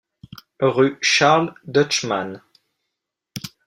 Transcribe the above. Rue Charles Deutschmann.